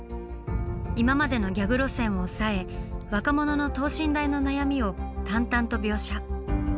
今までのギャグ路線を抑え若者の等身大の悩みを淡々と描写。